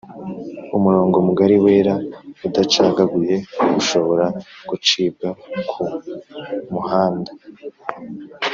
Umurongo mugari wera udacagaguye ushobora gucibwa ku muhanda